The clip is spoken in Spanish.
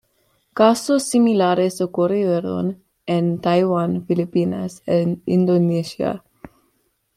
Casos similares ocurrieron en Taiwán, Filipinas e Indonesia.